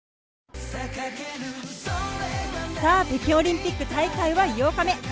北京オリンピック大会は８日目。